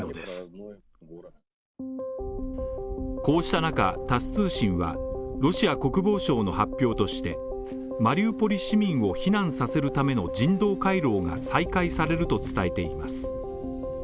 こうした中、タス通信はロシア国防省の発表としてマリウポリ市民を避難させるための人道回廊が再開されると伝えています。